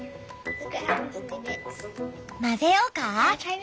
混ぜようか？